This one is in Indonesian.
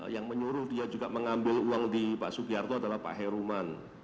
yang menyuruh dia juga mengambil uang di pak sugiharto adalah pak heruman